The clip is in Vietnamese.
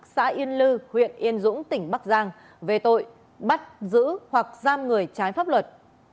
xã yên lư huyện yên dũng tỉnh bắc giang về tội bắt giữ hoặc giam người trái pháp luật